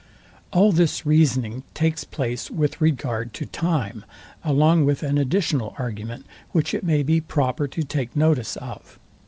Mons. MALEZIEU All this reasoning takes place with regard to time; along with an additional argument, which it may be proper to take notice of.